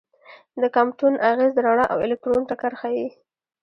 د کامپټون اغېز د رڼا او الکترون ټکر ښيي.